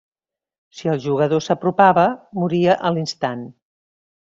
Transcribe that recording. Si el jugador s'apropava, moria a l'instant.